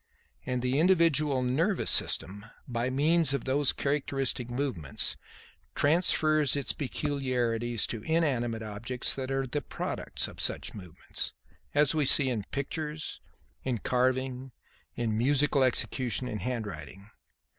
And the individual nervous system, by means of these characteristic movements, transfers its peculiarities to inanimate objects that are the products of such movements; as we see in pictures, in carving, in musical execution and in handwriting.